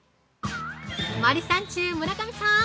◆森三中・村上さん